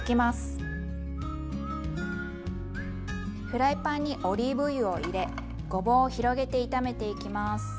フライパンにオリーブ油を入れごぼうを広げて炒めていきます。